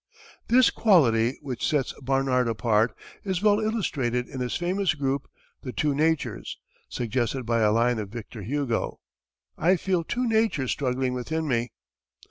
This quality, which sets Barnard apart, is well illustrated in his famous group, "The Two Natures," suggested by a line of Victor Hugo, "I feel two natures struggling within me."